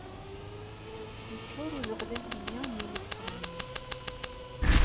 Yeččuṛ ujeɣlal-nni n yiliktṛunen.